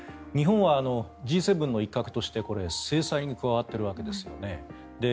日本はＧ７の一角として制裁に加わっているわけですよね